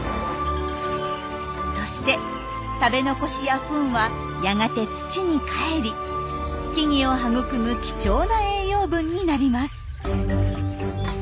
そして食べ残しやフンはやがて土に返り木々を育む貴重な栄養分になります。